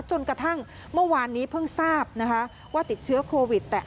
จนกระทั่งเมื่อวานนี้เพิ่งทราบนะคะ